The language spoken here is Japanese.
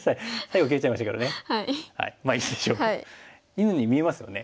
犬に見えますよね。